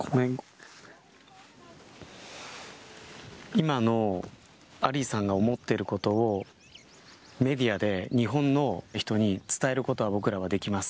今のアリさんが思っていることをメディアで日本の人に伝えることは、僕らはできます。